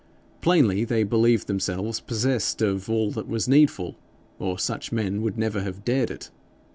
Plainly they believed themselves possessed of all that was needful, or such men would never have dared it.